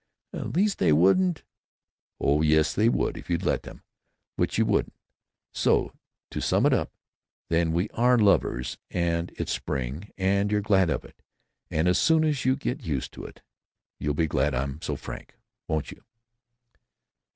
"At least they wouldn't——" "Oh yes they would, if you'd let them, which you wouldn't.... So, to sum up, then, we are lovers and it's spring and you're glad of it, and as soon as you get used to it you'll be glad I'm so frank. Won't you?"